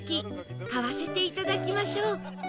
買わせていただきましょう